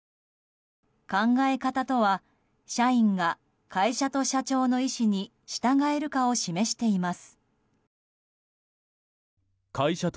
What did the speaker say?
考え方とは社員が会社と社長の意思に従えるかを示しています。